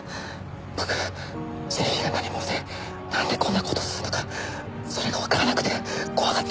僕ＪＢが何者でなんでこんな事をするのかそれがわからなくて怖かった。